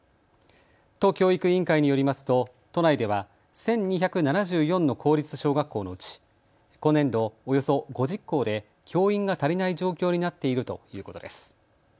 都教育委員会によりますと都内では１２７４の公立小学校のうち今年度およそ５０校で教員が足りない状況になっているということです。